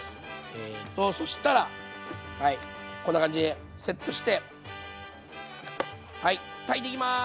えとそしたらはいこんな感じでセットして炊いていきます！